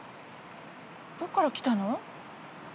どっから来たの？